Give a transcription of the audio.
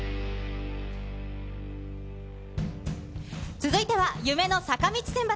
続いては、夢の坂道選抜。